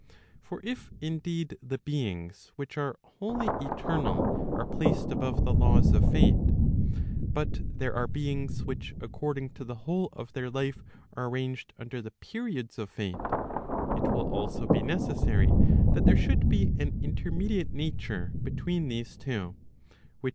For if indeed the beings which are wholly eternal are placed above the laws of Fate, but there are beings which according to the whole of their life, are arranged under the periods of Fate, it will also be necessary that there should be an intermediate nature between these two, which sometimes 1 In Morbeka, sobrietate meliorem.